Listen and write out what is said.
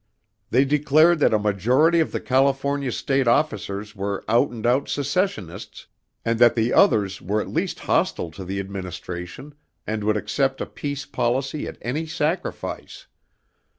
They declared that a majority of the California State officers were out and out secessionists and that the others were at least hostile to the administration and would accept a peace policy at any sacrifice.